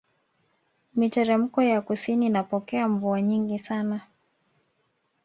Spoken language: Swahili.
Miteremko ya kusini inapokea mvua nyingi sana